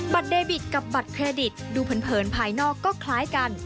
เดบิตกับบัตรเครดิตดูเผินภายนอกก็คล้ายกัน